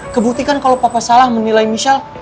kebuktikan kalau papa salah menilai misal